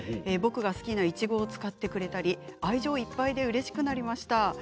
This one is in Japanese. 僕が好きないちごを使ってくれたり愛情いっぱいでうれしくなりました。